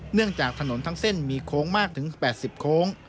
เนื่องจากถนนทั้งเส้นมีโค้งมากถึง๘๐โค้ง